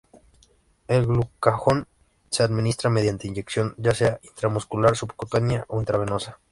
El glucagón se administra mediante inyección, ya sea intramuscular, subcutánea o intravenosa.